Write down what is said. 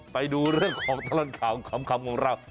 ไปดูเรื่องของตลอดข่าวขำของเรา